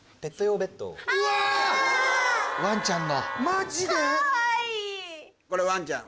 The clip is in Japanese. マジで⁉これワンちゃん。